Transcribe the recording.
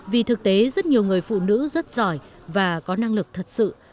vì thực tế rất nhiều người phụ nữ rất giỏi và có năng lực thật sự